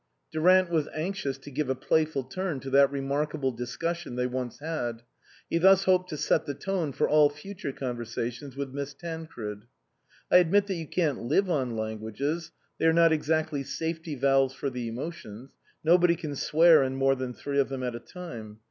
Durant was anxious to give a playful turn to that re markable discussion they once had ; he thus hoped to set the tone for all future conversa tions with Miss Tancred. "I admit that you can't live on languages, they are not exactly safety valves for the emotions; nobody can swear in more than three of them at a time.